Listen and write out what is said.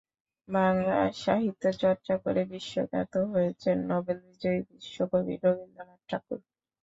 বাংলায় সাহিত্য চর্চা করে বিশ্বখ্যাত হয়েছেন নোবেল বিজয়ী বিশ্বকবি রবীন্দ্রনাথ ঠাকুর।